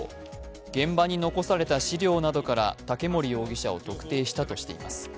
現場に残された資料などから竹森容疑者を特定したとしています。